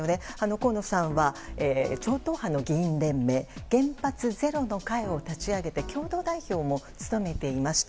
河野さんは超党派の議員連盟原発ゼロの会を立ち上げて共同代表も務めていました。